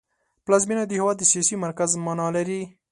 پلازمېنه د هېواد د سیاسي مرکز مانا لري